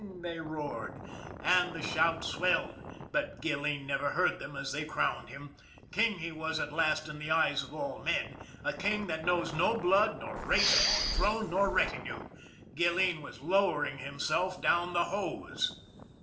" they roared, and the shout swelled, but Gilleen never heard them as they crowned him. King he was at last in the eyes of all men, a king that knows no blood nor race nor throne nor retinue Gilleen was lowering himself down the hose.